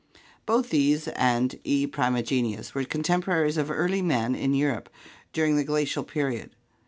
Both these and E. primigenius were contemporaries of early man in Europe during the Glacial period.